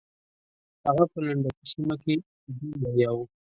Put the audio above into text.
هغه په لنډکي سیمه کې په جنګ لګیا وو.